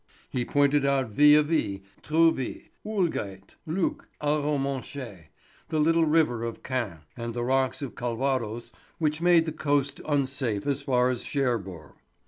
He pointed out Villerville, Trouville, Houlgate, Luc, Arromanches, the little river of Caen, and the rocks of Calvados which make the coast unsafe as far as Cherbourg.